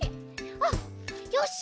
あっよし！